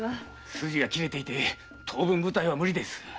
筋が切れていて当分舞台はムリです。